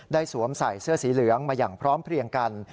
สวมใส่เสื้อสีเหลืองมาอย่างพร้อมเพลียงกัน